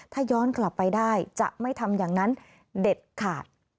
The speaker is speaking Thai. ถ้าย้อนกลับไปได้จะไม่ทำอย่างนั้นเด็ดขาด